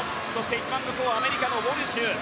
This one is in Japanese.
一番向こうアメリカのウォルシュ。